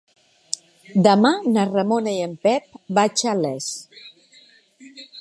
Demà na Ramona i en Pep vaig a Les.